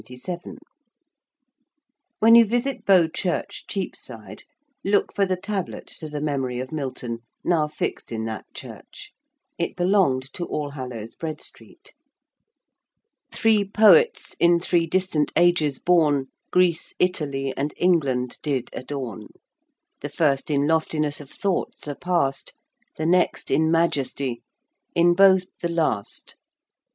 When you visit Bow Church, Cheapside, look for the tablet to the memory of Milton, now fixed in that church. It belonged to All Hallows, Bread Street. Three poets in three distant ages born, Greece, Italy, and England did adorn: The first in loftiness of thought surpassed, The next in majesty in both the last.